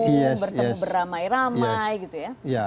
bertemu beramai ramai gitu ya